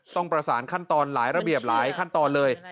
ต้องประสานขั้นตอนหลายระเบียบหลายขั้นตอนเลย